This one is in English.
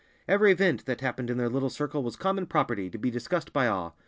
Every event that happened in their little circle was common property, to be discussed by all.